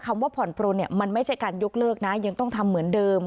ว่าผ่อนปลนเนี่ยมันไม่ใช่การยกเลิกนะยังต้องทำเหมือนเดิม